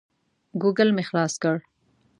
ګوګل مې خلاص کړ.